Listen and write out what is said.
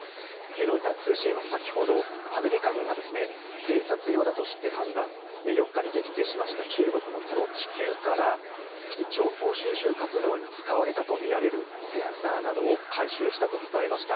ロイター通信は先ほどアメリカ軍が偵察用だとして判断４日に撃墜しました中国のこの気球から情報収集活動に使われたとみられるセンサーなどを回収したと伝えました。